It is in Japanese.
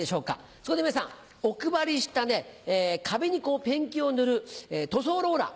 そこで皆さんお配りした壁にペンキを塗る塗装ローラー。